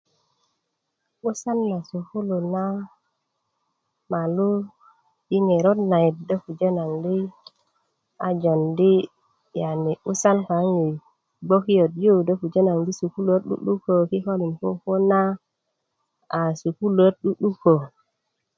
'busan na sukulu na malu i ŋerot nayit do pujö di a jondi yani 'busan kaŋ i bgokiyöt yu do pujö naŋ di sukuluöt 'du'dukö kikölin kukuna sukuluöt 'du'dukö